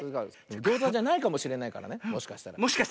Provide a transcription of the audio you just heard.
ギューザじゃないかもしれないからねもしかしたら。